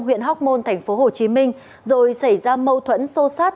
huyện hoc mon tp hcm rồi xảy ra mâu thuẫn sâu sắc